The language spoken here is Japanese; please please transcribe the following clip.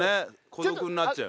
孤独になっちゃう。